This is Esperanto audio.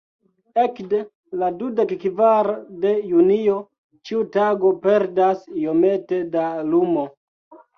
Ekde la dudekkvara de junio, ĉiu tago perdas iomete da lumo.